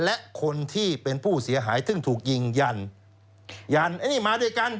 และคนที่เป็นผู้เสียหายซึ่งถูกยิงยันยันไอ้นี่มาด้วยกัน